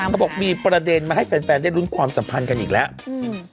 เขาบอกมีประเด็นมาให้แฟนแฟนได้ลุ้นความสัมพันธ์กันอีกแล้วอืม